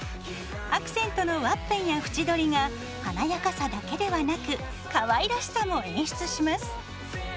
アクセントのワッペンや縁取りが華やかさだけではなくかわいらしさも演出します。